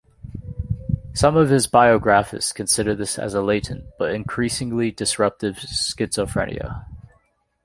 Some of his biographists considered this as a latent, but increasingly disruptive schizophrenia.